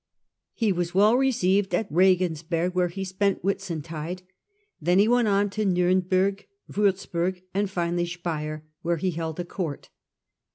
He was well received at Regensberg, where he spent Whitsuntide ; then he went on to Niimbbrg, Wurzburg, and finally Speier, where he held a court.